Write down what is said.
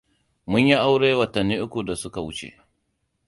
Mun yi aure watanni uku da suka wuce.